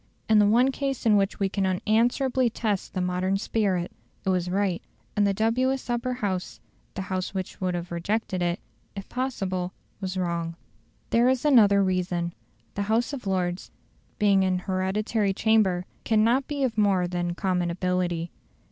In the one case in which we can unanswerably test the modern spirit, it was right, and the dubious Upper House the House which would have rejected it, if possible was wrong. There is another reason. The House of Lords, being an hereditary chamber, cannot be of more than common ability.